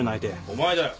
お前だよ。